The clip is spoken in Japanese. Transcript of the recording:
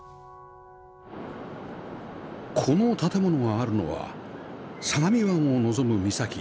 この建物があるのは相模湾を望む岬